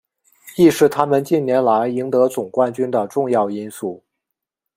亦是他们近年来赢得总冠军的重要因素。